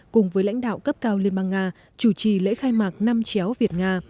cùng với lãnh đạo cấp cao liên bang nga chủ trì lễ khai mạc năm chéo việt nga